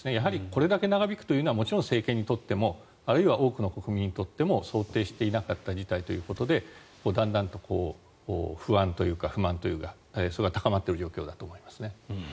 これだけ長引いているというのはもちろん政権にとってもあるいは多くの国民にとっても想定していなかった事態ということでだんだんと不安というか不満というか高まっている状況だと思います。